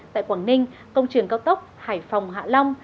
tại quảng ninh công trường cao tốc hải phòng hạ long